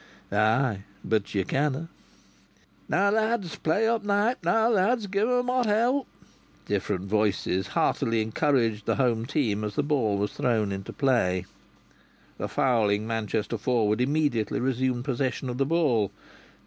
"Ay! But you canna'!" "Now, lads! Play up, Knype! Now, lads! Give 'em hot hell!" Different voices heartily encouraged the home team as the ball was thrown into play. The fouling Manchester forward immediately resumed possession of the ball.